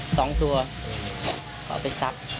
สองตัวเอาไปซัก